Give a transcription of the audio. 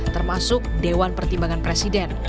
termasuk dewan pertimbangan presiden